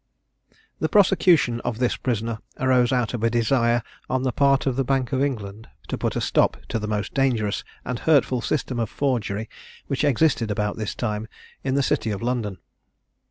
The prosecution of this prisoner arose out of a desire on the part of the Bank of England to put a stop to the most dangerous and hurtful system of forgery which existed about this time in the city of London.